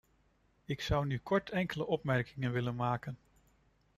Ik zou nu kort enkele opmerkingen willen maken.